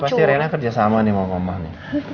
ini pasti rina kerja sama nih sama mama nih